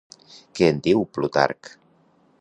Què en diu Plutarc?